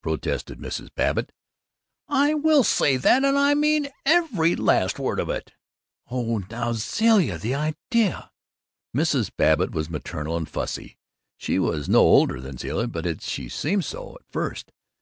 protested Mrs. Babbitt. "I will say that, and I mean every single last word of it!" "Oh, now, Zilla, the idea!" Mrs. Babbitt was maternal and fussy. She was no older than Zilla, but she seemed so at first.